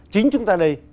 chính chúng ta đây